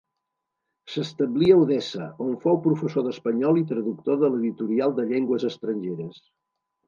S'establí a Odessa, on fou professor d'espanyol i traductor de l'Editorial de Llengües Estrangeres.